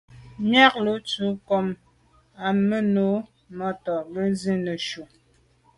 Miaglo tù’ ngom am me nô num mata nke nzi neshu.